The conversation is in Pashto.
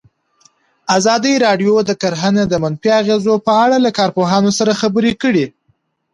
ازادي راډیو د کرهنه د منفي اغېزو په اړه له کارپوهانو سره خبرې کړي.